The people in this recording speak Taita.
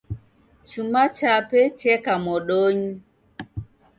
Chuma chape cheka modonyi.